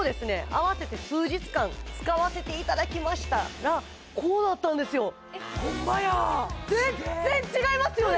あわせて数日間使わせていただきましたらこうなったんですよホンマや全然違いますよね？